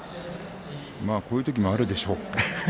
まあこういうときもあるでしょう。